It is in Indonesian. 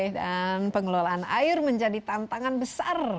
dan pengelolaan air menjadi tantangan besar